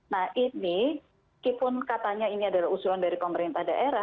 nah ini kipun katanya ini adalah usulan dari pemerintah daerah